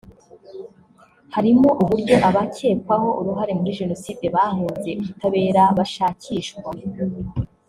harimo uburyo abakekwaho uruhare muri Jenoside bahunze ubutabera bashakishwa